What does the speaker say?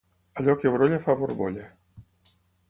Allò que brolla fa borbolla.